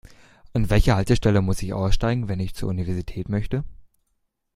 An welcher Haltestelle muss ich aussteigen, wenn ich zur Universität möchte?